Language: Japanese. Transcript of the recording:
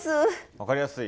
分かりやすい。